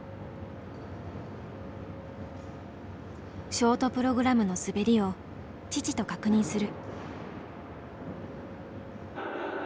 ショートプログラムの滑りを父と確認する。